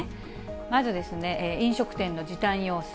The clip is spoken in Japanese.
まず、飲食店の時短要請。